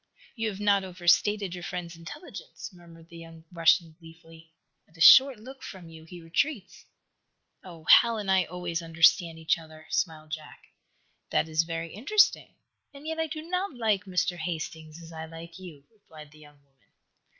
"You have not overstated your friend's intelligence," murmured the young Russian gleefully. "At a short look from you he retreats." "Oh, Hal and I always understand each other," smiled Jack. "That is very interesting. And yet I do not like Mr. Hastings as I like you," replied the young woman.